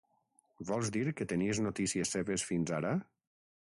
Vols dir que tenies noticies seves fins ara?